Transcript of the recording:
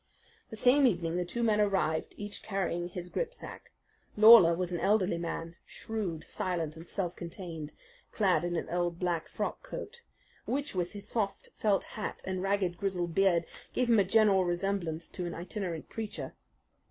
The same evening the two men arrived, each carrying his gripsack. Lawler was an elderly man, shrewd, silent, and self contained, clad in an old black frock coat, which with his soft felt hat and ragged, grizzled beard gave him a general resemblance to an itinerant preacher.